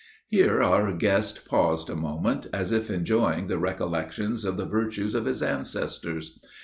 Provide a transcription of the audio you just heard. Here our guest paused a moment, as if enjoying the recollections of the virtues of his ancestors.